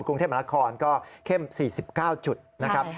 กรุงเทพมนาคอนก็เข้ม๔๙จุดนะครับ